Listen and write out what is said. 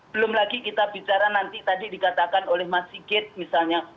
belum lagi kita bicara nanti tadi dikatakan oleh mas sigit misalnya